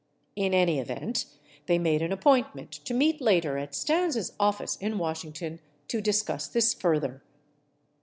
In any event, they made an appointment to meet later at Stans' office in Washington to discuss this further.